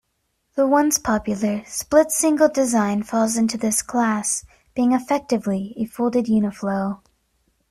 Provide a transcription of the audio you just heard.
The once-popular split-single design falls into this class, being effectively a folded uniflow.